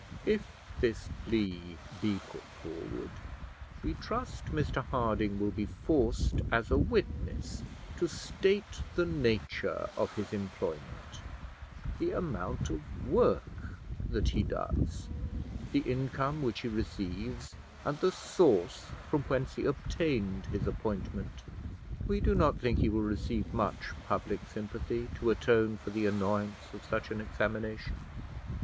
If this plea be put forward we trust Mr Harding will be forced as a witness to state the nature of his employment; the amount of work that he does; the income which he receives; and the source from whence he obtained his appointment. We do not think he will receive much public sympathy to atone for the annoyance of such an examination.